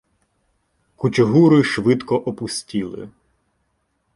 Кучугури швидко опустіли.